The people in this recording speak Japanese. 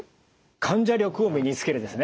患者力を身につけるですね！